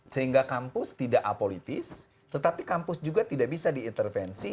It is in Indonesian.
sehingga kampus tidak apolitis tetapi kampus juga tidak bisa diintervensi